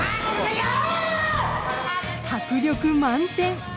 迫力満点！